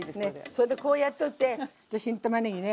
それでこうやっといて新たまねぎね